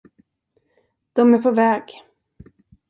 De är på väg.